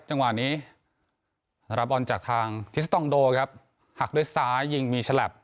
จังหวะนี้รับบอลจากทางทิสตองโดครับหักด้วยซ้ายยิงมีฉลับ